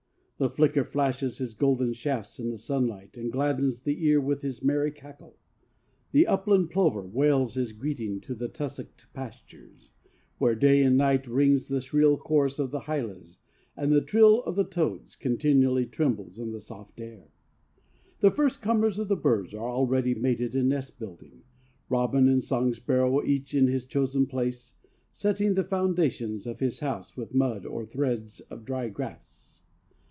The flicker flashes his golden shafts in the sunlight and gladdens the ear with his merry cackle. The upland plover wails his greeting to the tussocked pastures, where day and night rings the shrill chorus of the hylas and the trill of the toads continually trembles in the soft air. The first comers of the birds are already mated and nest building, robin and song sparrow each in his chosen place setting the foundations of his house with mud or threads of dry grass.